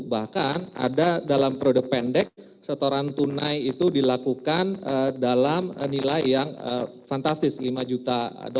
bahkan ada dalam periode pendek setoran tunai itu dilakukan dalam nilai yang fantastis lima juta